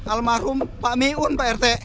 almarhum pak miun pak rt